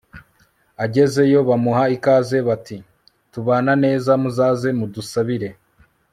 agezeyo bamuha ikaze, bati tubana neza muzaze mudusabire